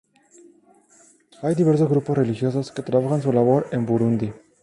Hay diversos grupos religiosos que trabajan su labor en Burundi.